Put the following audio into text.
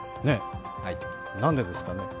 何でですかね？